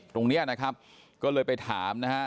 ตรงนี้นะครับก็เลยไปถามนะฮะ